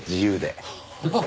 ハハハ。